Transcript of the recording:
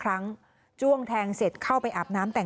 มีคนร้องบอกให้ช่วยด้วยก็เห็นภาพเมื่อสักครู่นี้เราจะได้ยินเสียงเข้ามาเลย